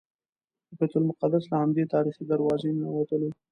د بیت المقدس له همدې تاریخي دروازې ننوتلو.